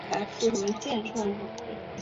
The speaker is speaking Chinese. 本列表记录梁翘柏的所创作的音乐作品